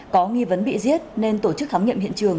có nghi vấn bị giết nên tổ chức khám nghiệm hiện trường